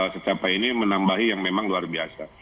siapa ini menambah yang memang luar biasa